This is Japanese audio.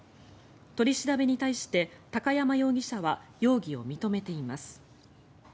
取り調べに対して高山容疑者は容疑を認めています。